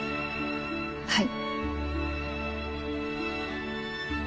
はい。